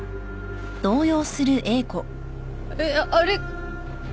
えっ？あれ。